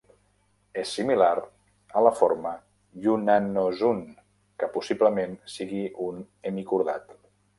És similar a la forma "Yunnanozoon", que possiblement sigui un hemicordat.